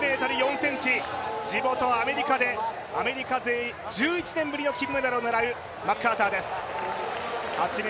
８ｍ４ｃｍ、地元アメリカで、アメリカ勢１１年ぶりの金メダルを狙うマッカーターです。